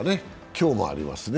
今日もありますね。